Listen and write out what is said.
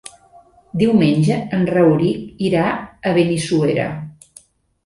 Diumenge en Rauric irà a Benissuera.